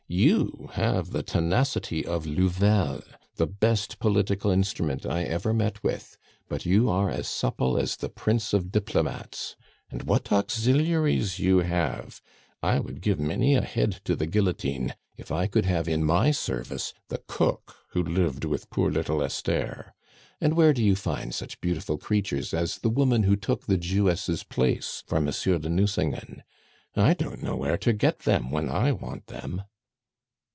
You have the tenacity of Louvel, the best political instrument I ever met with; but you are as supple as the prince of diplomates. And what auxiliaries you have! I would give many a head to the guillotine if I could have in my service the cook who lived with poor little Esther. And where do you find such beautiful creatures as the woman who took the Jewess' place for Monsieur de Nucingen? I don't know where to get them when I want them."